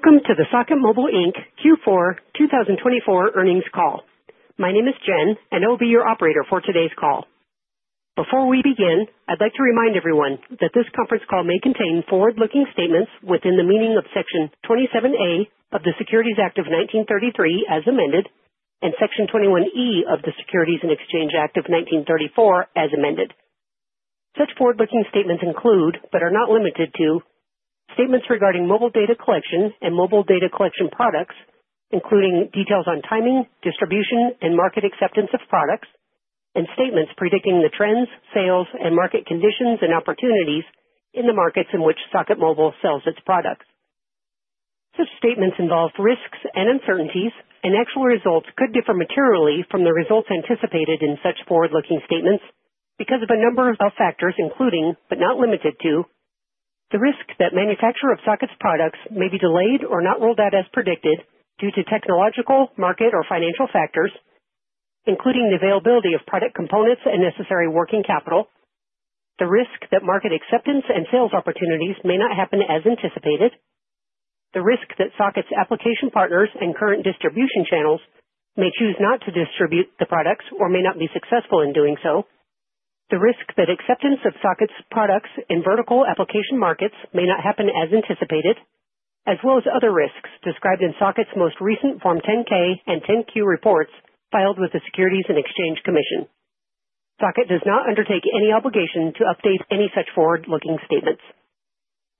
Welcome to the Socket Mobile Inc Q4 2024 earnings call. My name is Jen, and I will be your operator for today's call. Before we begin, I'd like to remind everyone that this conference call may contain forward-looking statements within the meaning of Section 27A of the Securities Act of 1933, as amended, and Section 21E of the Securities and Exchange Act of 1934, as amended. Such forward-looking statements include, but are not limited to, statements regarding mobile data collection and mobile data collection products, including details on timing, distribution, and market acceptance of products, and statements predicting the trends, sales, and market conditions and opportunities in the markets in which Socket Mobile sells its products. Such statements involve risks and uncertainties, and actual results could differ materially from the results anticipated in such forward-looking statements because of a number of factors, including, but not limited to, the risk that manufacture of Socket's products may be delayed or not rolled out as predicted due to technological, market, or financial factors, including the availability of product components and necessary working capital, the risk that market acceptance and sales opportunities may not happen as anticipated, the risk that Socket's application partners and current distribution channels may choose not to distribute the products or may not be successful in doing so, the risk that acceptance of Socket's products in vertical application markets may not happen as anticipated, as well as other risks described in Socket's most recent Form 10-K and 10-Q reports filed with the Securities and Exchange Commission. Socket does not undertake any obligation to update any such forward-looking statements.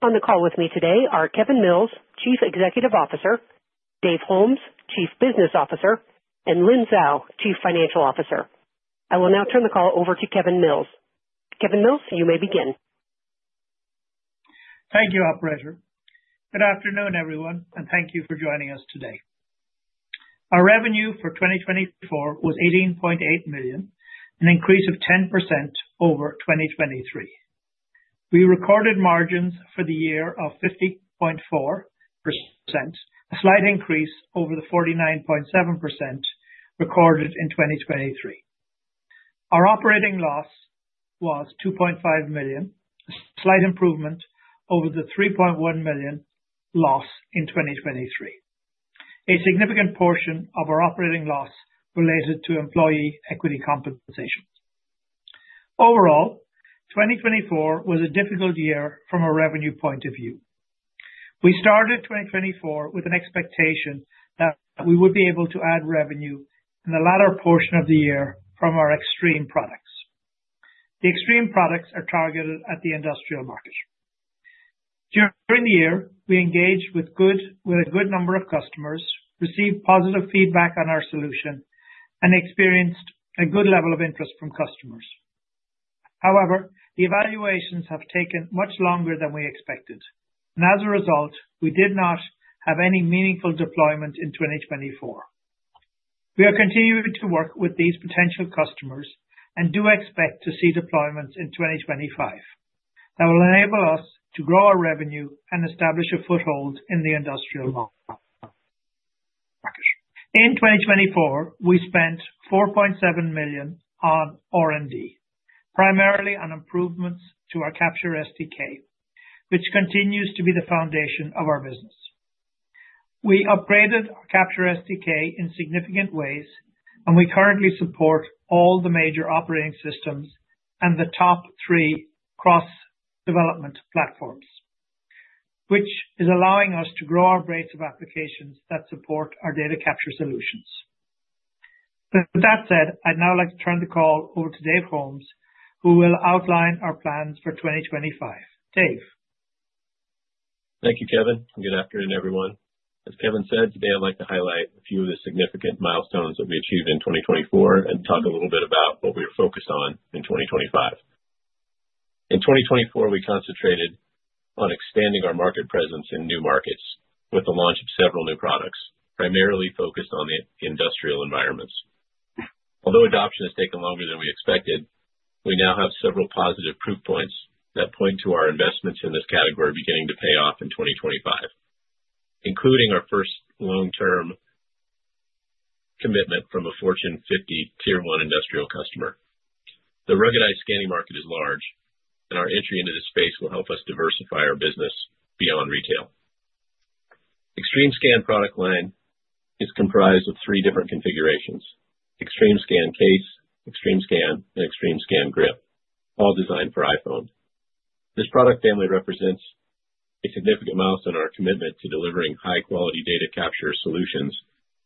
On the call with me today are Kevin Mills, Chief Executive Officer, Dave Holmes, Chief Business Officer, and Lynn Zhao, Chief Financial Officer. I will now turn the call over to Kevin Mills. Kevin Mills, you may begin. Thank you, Operator. Good afternoon, everyone, and thank you for joining us today. Our revenue for 2024 was $18.8 million, an increase of 10% over 2023. We recorded margins for the year of 50.4%, a slight increase over the 49.7% recorded in 2023. Our operating loss was $2.5 million, a slight improvement over the $3.1 million loss in 2023. A significant portion of our operating loss related to employee equity compensation. Overall, 2024 was a difficult year from a revenue point of view. We started 2024 with an expectation that we would be able to add revenue in the latter portion of the year from our Xtreme products. The Xtreme products are targeted at the industrial market. During the year, we engaged with a good number of customers, received positive feedback on our solution, and experienced a good level of interest from customers. However, the evaluations have taken much longer than we expected, and as a result, we did not have any meaningful deployment in 2024. We are continuing to work with these potential customers and do expect to see deployments in 2025 that will enable us to grow our revenue and establish a foothold in the industrial market. In 2024, we spent $4.7 million on R&D, primarily on improvements to our CaptureSDK, which continues to be the foundation of our business. We upgraded our CaptureSDK in significant ways, and we currently support all the major operating systems and the top three cross-development platforms, which is allowing us to grow our breadth of applications that support our data capture solutions. With that said, I'd now like to turn the call over to Dave Holmes, who will outline our plans for 2025. Dave. Thank you, Kevin. Good afternoon, everyone. As Kevin said, today I'd like to highlight a few of the significant milestones that we achieved in 2024 and talk a little bit about what we are focused on in 2025. In 2024, we concentrated on expanding our market presence in new markets with the launch of several new products, primarily focused on the industrial environments. Although adoption has taken longer than we expected, we now have several positive proof points that point to our investments in this category beginning to pay off in 2025, including our first long-term commitment from a Fortune 50 Tier 1 industrial customer. The ruggedized scanning market is large, and our entry into this space will help us diversify our business beyond retail. XtremeScan product line is comprised of three different configurations: XtremeScan Case, XtremeScan, and XtremeScan Grip, all designed for iPhone. This product family represents a significant milestone in our commitment to delivering high-quality data capture solutions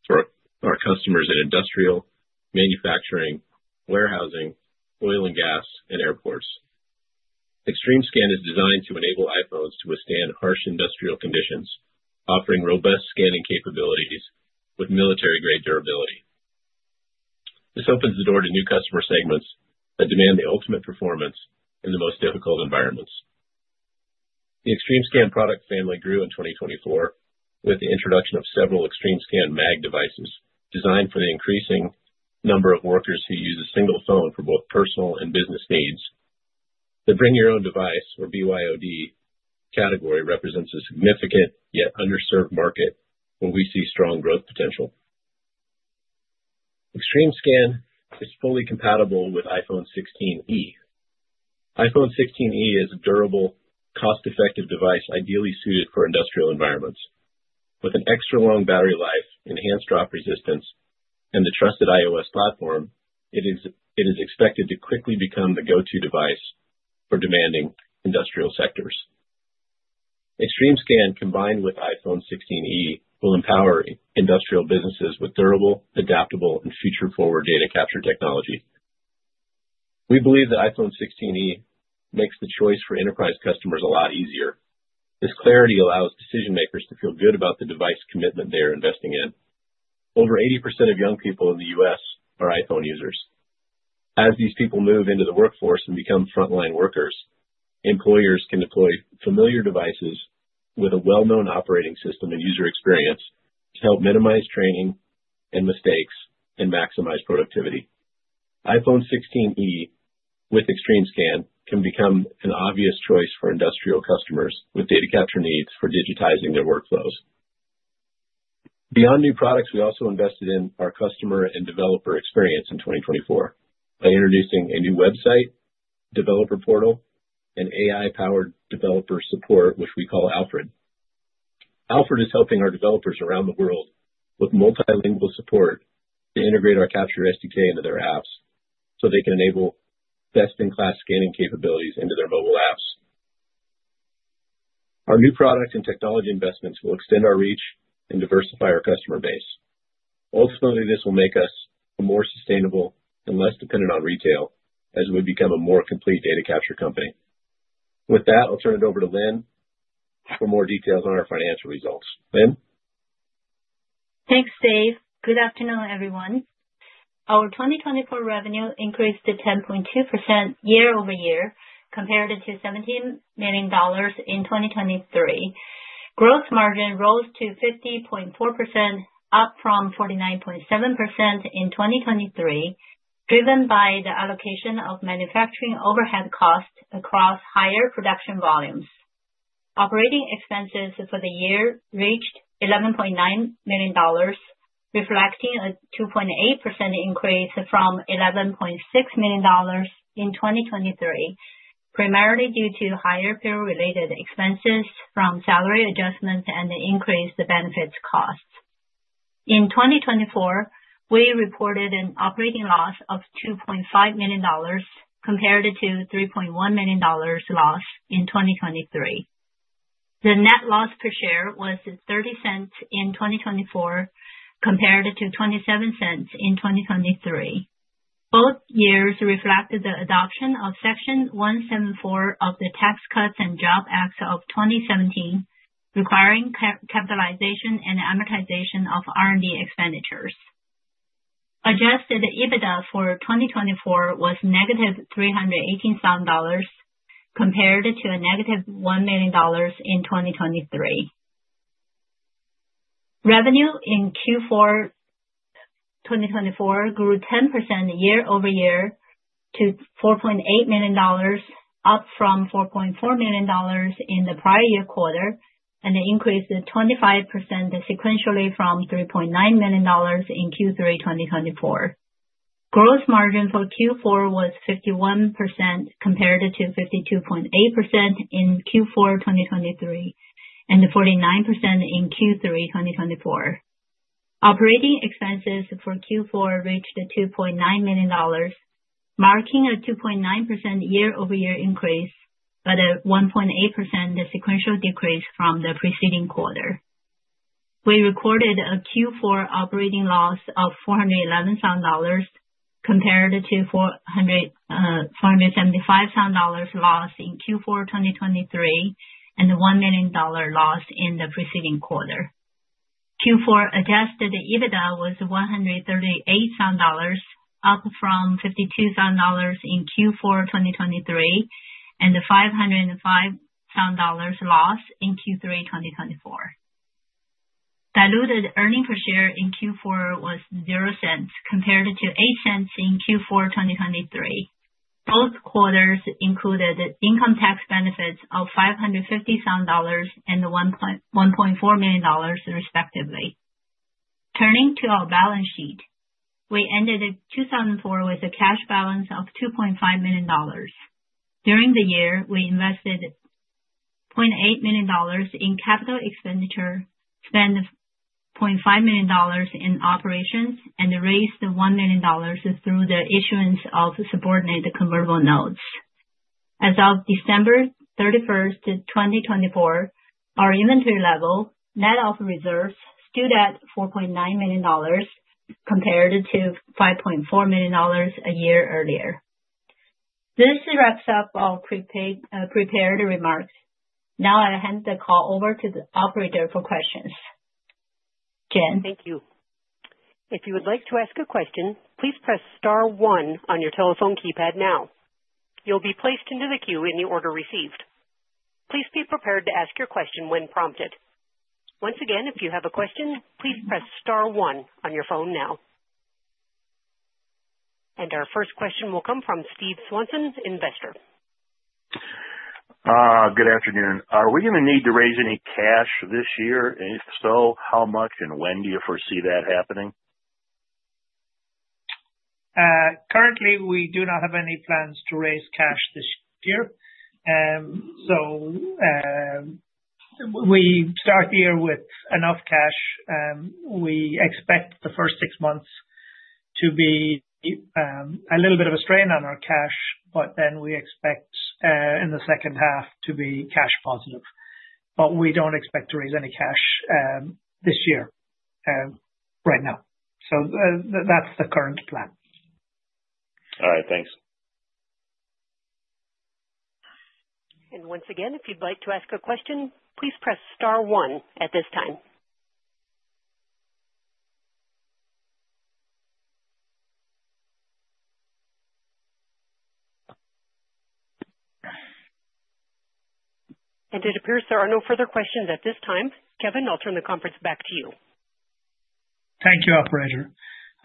for our customers in industrial, manufacturing, warehousing, oil and gas, and airports. XtremeScan is designed to enable iPhones to withstand harsh industrial conditions, offering robust scanning capabilities with military-grade durability. This opens the door to new customer segments that demand the ultimate performance in the most difficult environments. The XtremeScan product family grew in 2024 with the introduction of several XtremeScan Mag devices designed for the increasing number of workers who use a single phone for both personal and business needs. The Bring Your Own Device, or BYOD, category represents a significant yet underserved market where we see strong growth potential. XtremeScan is fully compatible with iPhone 16e. iPhone 16e is a durable, cost-effective device ideally suited for industrial environments. With an extra-long battery life, enhanced drop resistance, and the trusted iOS platform, it is expected to quickly become the go-to device for demanding industrial sectors. XtremeScan, combined with iPhone 16e, will empower industrial businesses with durable, adaptable, and future-forward data capture technology. We believe that iPhone 16e makes the choice for enterprise customers a lot easier. This clarity allows decision-makers to feel good about the device commitment they are investing in. Over 80% of young people in the U.S. are iPhone users. As these people move into the workforce and become frontline workers, employers can deploy familiar devices with a well-known operating system and user experience to help minimize training and mistakes and maximize productivity. iPhone 16e with XtremeScan can become an obvious choice for industrial customers with data capture needs for digitizing their workflows. Beyond new products, we also invested in our customer and developer experience in 2024 by introducing a new website, developer portal, and AI-powered developer support, which we call Alfred. Alfred is helping our developers around the world with multilingual support to integrate our CaptureSDK into their apps so they can enable best-in-class scanning capabilities into their mobile apps. Our new product and technology investments will extend our reach and diversify our customer base. Ultimately, this will make us more sustainable and less dependent on retail as we become a more complete data capture company. With that, I'll turn it over to Lynn for more details on our financial results. Lynn. Thanks, Dave. Good afternoon, everyone. Our 2024 revenue increased to 10.2% year-over-year, compared to $17 million in 2023. Gross margin rose to 50.4%, up from 49.7% in 2023, driven by the allocation of manufacturing overhead costs across higher production volumes. Operating expenses for the year reached $11.9 million, reflecting a 2.8% increase from $11.6 million in 2023, primarily due to higher payroll-related expenses from salary adjustments and the increase in benefits costs. In 2024, we reported an operating loss of $2.5 million, compared to $3.1 million loss in 2023. The net loss per share was $0.30 in 2024, compared to $0.27 in 2023. Both years reflected the adoption of Section 174 of the Tax Cuts and Jobs Act of 2017, requiring capitalization and amortization of R&D expenditures. Adjusted EBITDA for 2024 was -$318,000, compared to a -$1 million in 2023. Revenue in Q4 2024 grew 10% year-over-year to $4.8 million, up from $4.4 million in the prior year quarter, and increased 25% sequentially from $3.9 million in Q3 2024. Gross margin for Q4 was 51%, compared to 52.8% in Q4 2023 and 49% in Q3 2024. Operating expenses for Q4 reached $2.9 million, marking a 2.9% year-over-year increase but a 1.8% sequential decrease from the preceding quarter. We recorded a Q4 operating loss of $411,000, compared to $475,000 loss in Q4 2023 and $1 million loss in the preceding quarter. Q4 adjusted EBITDA was $138,000, up from $52,000 in Q4 2023 and $505,000 loss in Q3 2024. Diluted earnings per share in Q4 was $0.00, compared to $0.08 in Q4 2023. Both quarters included income tax benefits of $550,000 and $1.4 million, respectively. Turning to our balance sheet, we ended 2024 with a cash balance of $2.5 million. During the year, we invested $0.8 million in capital expenditure, spent $0.5 million in operations, and raised $1 million through the issuance of subordinated convertible notes. As of December 31st, 2024, our inventory level, net of reserves, stood at $4.9 million, compared to $5.4 million a year earlier. This wraps up our prepared remarks. Now I'll hand the call over to the operator for questions. Jen. Thank you. If you would like to ask a question, please press Star 1 on your telephone keypad now. You'll be placed into the queue in the order received. Please be prepared to ask your question when prompted. Once again, if you have a question, please press Star 1 on your phone now. Our first question will come from Steve Swanson, investor. Good afternoon. Are we going to need to raise any cash this year? If so, how much, and when do you foresee that happening? Currently, we do not have any plans to raise cash this year. We start the year with enough cash. We expect the first six months to be a little bit of a strain on our cash, but then we expect in the second half to be cash positive. We do not expect to raise any cash this year right now. That is the current plan. All right. Thanks. Once again, if you'd like to ask a question, please press Star 1 at this time. It appears there are no further questions at this time. Kevin, I'll turn the conference back to you. Thank you, Operator.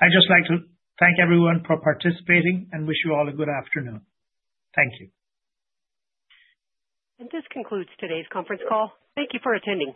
I'd just like to thank everyone for participating and wish you all a good afternoon. Thank you. This concludes today's conference call. Thank you for attending.